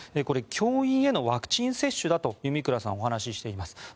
これ、教員へのワクチン接種だと弓倉さんはお話ししています。